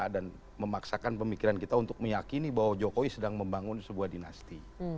dan memaksakan pemikiran kita untuk meyakini bahwa jokowi sedang membangun sebuah dinasti